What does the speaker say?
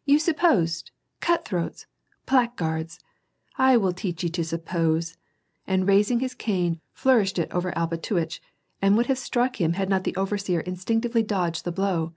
" You supposed — cut tliroats, blackguards !— I will teach ye to suppose," and raising his cane, flourished it over Alpatuitch, and would have struck him had not the overseer instinctively dodged the blow.